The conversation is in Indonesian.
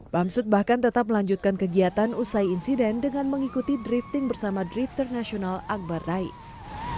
bamsud bahkan tetap melanjutkan kegiatan usai insiden dengan mengikuti drifting bersama drifter nasional akbar rais